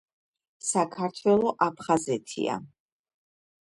საქართველო აფხაზეთია